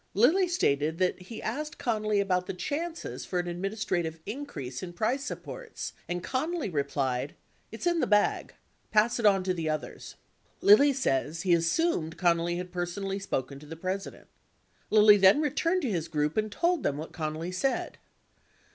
Lilly stated that he asked Con nally about the chances for an administrative increase in price sup ports, and Connally replied, "It's in the bag. Pass it on to the others." 51 Lilly says he assumed Connally had personally spoken to the President. Lilly then returned to his group and told them what Connally said.